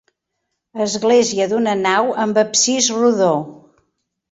Església d'una nau amb absis rodó.